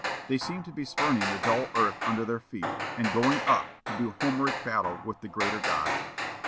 They seem to be spurning the dull earth under their feet, and going up to do Homeric battle with the greater gods."